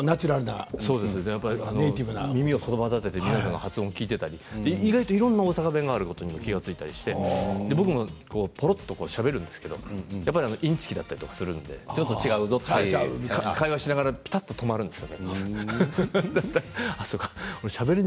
耳をそばだてて発音を聞いていたりいろいろな大阪弁があることに気付いて僕もぽろっとしゃべるんですけどインチキだったりするんで会話しながらぴたっと止まるんですよ。